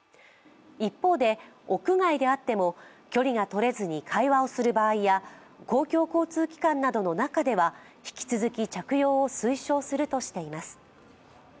一方で、屋外であっても距離がとれずに会話をする場合や、公共交通機関などの中では引き続き着用を推奨するとしています。